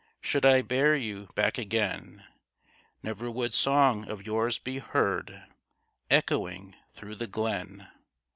Should I bear you back again, Never would song of yours be heard Echoing through the glen.